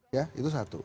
ya itu satu